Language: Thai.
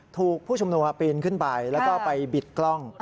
ถูกผู้ชุมนุมปีนขึ้นไปแล้วก็ไปบิดกล้อง